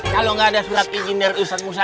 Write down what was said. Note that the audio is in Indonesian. kalau nggak ada surat izin dari ustadz musa